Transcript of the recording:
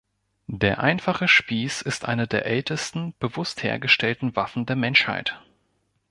Der einfache Spieß ist eine der ältesten bewusst hergestellten Waffen der Menschheit.